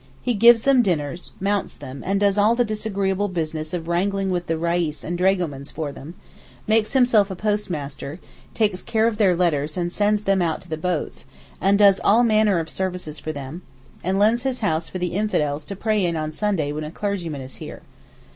He gives them dinners, mounts them, and does all the disagreeable business of wrangling with the reis and dragomans for them, makes himself a postmaster, takes care of their letters and sends them out to the boats, and does all manner of services for them, and lends his house for the infidels to pray in on Sundays when a clergyman is here.